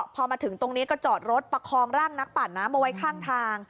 พอมาถึงตรงนี้ก็จอดรถประคองร่างนักปั่นน้ำเอาไว้ข้างทาง